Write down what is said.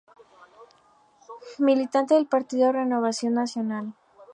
Militante del partido Renovación Nacional.